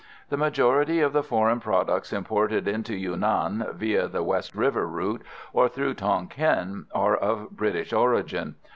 The majority of the foreign products imported into Yunan, via the West River route, or through Tonquin, are of British origin.